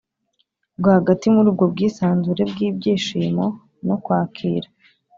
rwagati muri ubwo bwisanzure bw’ibyishimo no kwakira